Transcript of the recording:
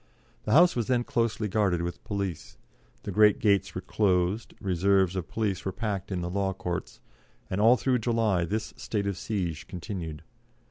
The House was then closely guarded with police; the great gates were closed, reserves of police were packed in the law courts, and all through July this state of siege continued.